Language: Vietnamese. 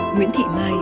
nguyễn thị mai